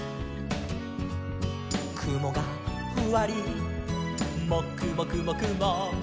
「くもがふわりもくもくもくも」